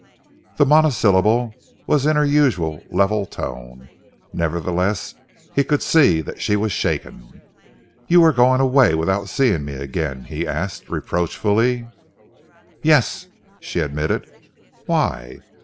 The monosyllable was in her usual level tone. Nevertheless, he could see that she was shaken: "You were going away without seeing me again?"' he asked reproachfully. "Yes!" she admitted. "Why?"